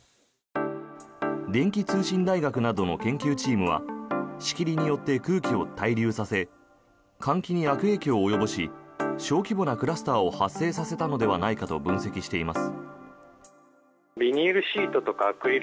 電気通信大学などの研究チームは仕切りによって空気を滞留させ換気に悪影響を及ぼし小規模なクラスターを発生させたのではないかと分析しています。